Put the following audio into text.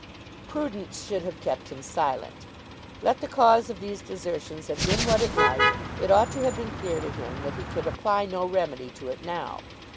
Prudence should have kept him silent. Let the cause of these desertions have been what it might, it ought to have been clear to him that he could apply no remedy to it now.